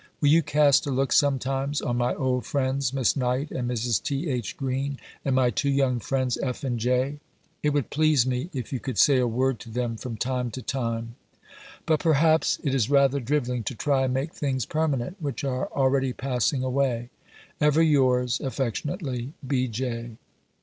Will you cast a look sometimes on my old friends, Miss Knight and Mrs. [T. H.] Green, and my two young friends, F. and J.? It would please me if you could say a word to them from time to time. But perhaps it is rather drivelling to try and make things permanent which are already passing away. Ever yours affectionately, B. J."